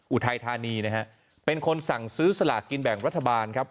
อุทัยธานีนะฮะเป็นคนสั่งซื้อสลากกินแบ่งรัฐบาลครับ